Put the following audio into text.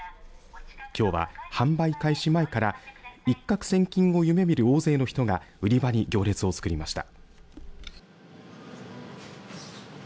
きょうは、販売開始前から一獲千金を夢見る大勢の人が売り場に行列をつくりました。